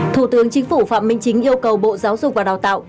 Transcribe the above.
thủ tướng chính phủ phạm minh chính yêu cầu bộ giáo dục và đào tạo